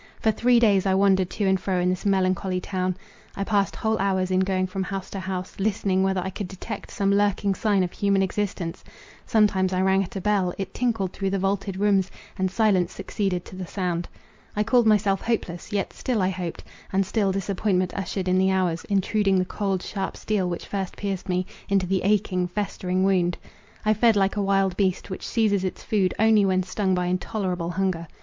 For three days I wandered to and fro in this melancholy town. I passed whole hours in going from house to house, listening whether I could detect some lurking sign of human existence. Sometimes I rang at a bell; it tinkled through the vaulted rooms, and silence succeeded to the sound. I called myself hopeless, yet still I hoped; and still disappointment ushered in the hours, intruding the cold, sharp steel which first pierced me, into the aching festering wound. I fed like a wild beast, which seizes its food only when stung by intolerable hunger.